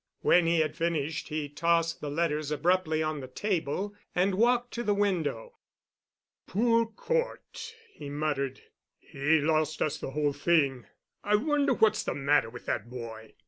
When he had finished he tossed the letters abruptly on the table, and walked to the window. "Poor Cort," he muttered, "he lost us the whole thing. I wonder what's the matter with that boy.